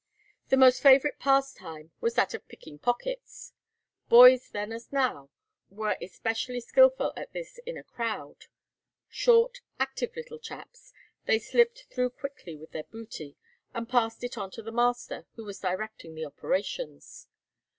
The most favourite pastime was that of picking pockets. Boys then as now were especially skilful at this in a crowd; short, active little chaps, they slipped through quickly with their booty, and passed it on to the master who was directing the operations.